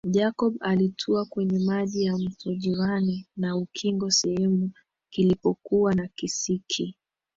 Jacob alitua kwenye maji ya mto jirani na ukingo sehemu kulipokuwa na kisiki